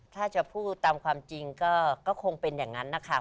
ถ้าจะพูดตามความจริงก็คงเป็นอย่างนั้นนะคะ